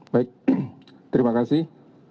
baik terima kasih